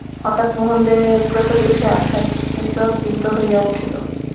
হঠাৎ মহেন্দ্রের এই উগ্রতা দেখিয়া আশা বিস্মিত ভীত হইয়া উঠিল।